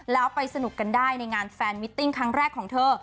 แล้วไปสนุกกันได้ในงานแฟนมิตติ้งครั้งแรกของเธอ